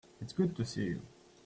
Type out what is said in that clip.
It's good to see you.